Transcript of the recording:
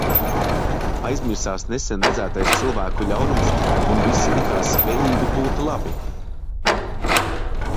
Aizmirsās nesen redzētais cilvēku ļaunums, un visi likās spējīgi būt labi.